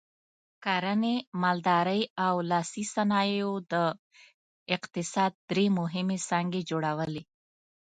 کرنې، مالدارۍ او لاسي صنایعو د اقتصاد درې مهمې څانګې جوړولې.